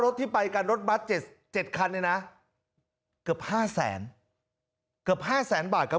รถที่ไปกันรถบัตร๗คันนะเกือบ๕๐๐๐๐๐เกือบ๕๐๐๐๐๐บาทครับ